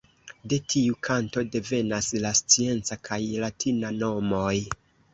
De tiu kanto devenas la scienca kaj latina nomoj.